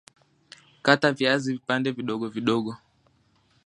Kata viazi vipande vidogo vidogo